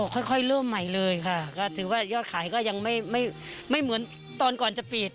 ค่อยเริ่มใหม่เลยค่ะก็ถือว่ายอดขายก็ยังไม่เหมือนตอนก่อนจะปิด